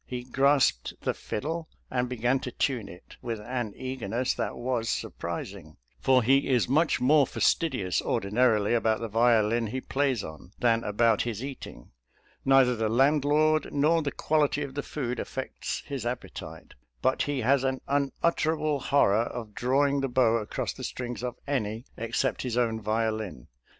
He grasped the fiddle and be gan to tune it, with an eagerness that was sur prising, for he is much more fastidious ordi narily about the violin he plays on, than about his eating; neither the landlord nor the quality of the food affects his appetite, but he has an unutterable horror of drawing the bow across the strings of any except his own violin.